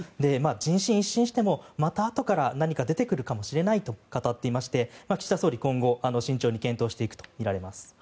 人心を一新してもまたあとから何か出てくるかもしれないと語っていまして岸田総理、今後、慎重に検討していくとみられます。